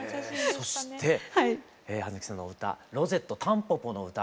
そして半さんの歌「ロゼットたんぽぽの詩」